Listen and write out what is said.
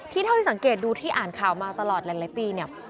เท่าที่สังเกตดูที่อ่านข่าวมาตลอดหลายปีเนี่ย